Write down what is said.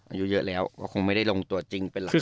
อายุเยอะแล้วก็คงไม่ได้ลงตัวจริงเป็นหลัก